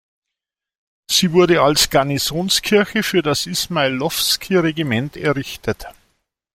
Sie wurde als Garnisonskirche für das Ismailowskij-Regiment errichtet.